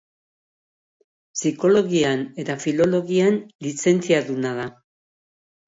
Psikologian eta filologian lizentziaduna da.